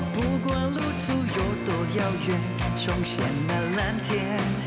บุกว่าลูกทูโยตัวยาวเยือนช่วงเสียงนั้นนั้นเทียน